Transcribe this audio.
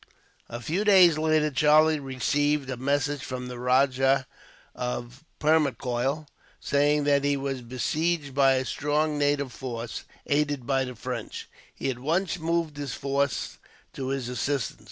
A few days later Charlie received a message from the Rajah of Permacoil, saying that he was besieged by a strong native force, aided by the French. He at once moved his force to his assistance.